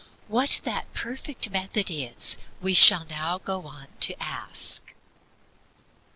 What that perfect method is we shall now go on to ask. I.